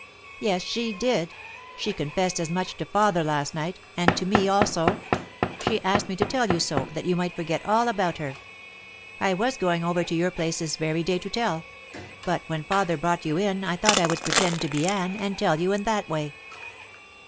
"Yes, she did. She confessed as much to father last night, and to me also. She asked me to tell you so, that you might forget all about her. I was going over to your place this very day to tell, but when father brought you in I thought I would pretend to be Anne and tell you in that way."